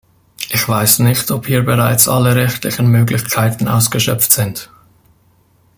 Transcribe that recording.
Ich weiß nicht, ob hier bereits alle rechtlichen Möglichkeiten ausgeschöpft sind.